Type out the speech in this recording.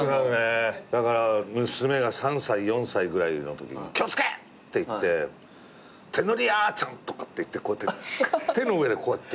だから娘が３歳４歳ぐらいのときに「気を付け！」って言って「手乗りあーちゃん」とか言って手の上でこうやって。